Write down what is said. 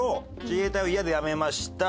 自衛隊を嫌で辞めました。